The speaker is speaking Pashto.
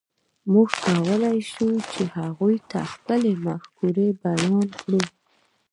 موږ کولی شول، چې هغوی ته خپلې مفکورې بیان کړو.